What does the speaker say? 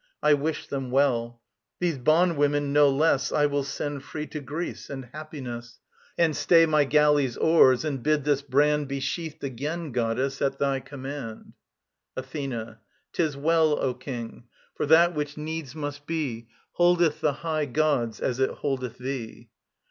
I wish them well. These bondwomen no less I will send free to Greece and happiness, And stay my galleys' oars, and bid this brand Be sheathed again, Goddess, at thy command. ATHENA. 'Tis well, O King. For that which needs must be Holdeth the high gods as it holdeth thee.